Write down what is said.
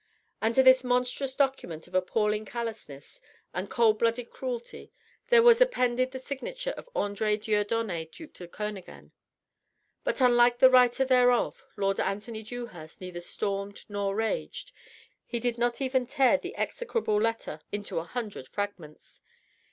And to this monstrous document of appalling callousness and cold blooded cruelty there was appended the signature of André Dieudonné Duc de Kernogan. But unlike the writer thereof Lord Anthony Dewhurst neither stormed nor raged: he did not even tear the execrable letter into an hundred fragments.